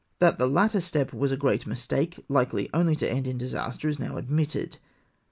That the latter step was a great mistake, likely only to end in disaster, is now admitted.